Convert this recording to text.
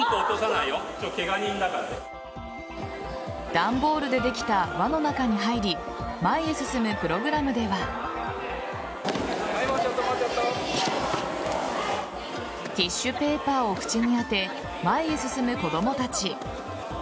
段ボールでできた輪の中に入り前へ進むプログラムではティッシュペーパーを口に当て前へ進む子どもたち。